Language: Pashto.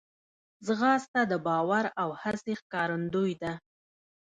ځغاسته د باور او هڅې ښکارندوی ده